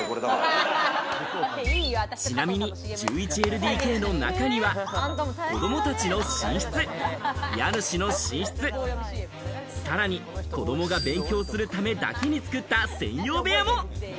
ちなみに１１ＬＤＫの中には子供たちの寝室、家主の寝室、さらに、子どもが勉強するためだけに作った専用部屋も。